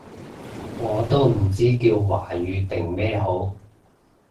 我都唔知叫華語定咩好